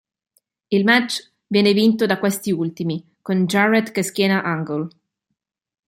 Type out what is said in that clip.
Il match viene vinto da questi ultimi, con Jarrett che schiena Angle.